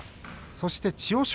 そして、千代翔